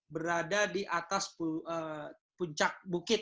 berada di atas puncak bukit